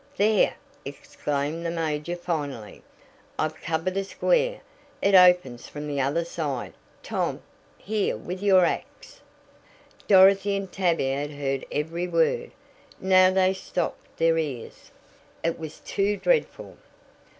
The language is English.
"There!" exclaimed the major finally. "I've covered a square. It opens from the other side. Tom, here with your ax!" Dorothy and Tavia had heard every word. Now they stopped their ears. It was too dreadful.